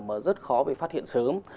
mà rất khó bị phát hiện sớm